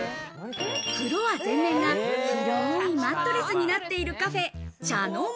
フロア全面が広いマットレスになっているカフェｃｈａｎｏ−ｍａ。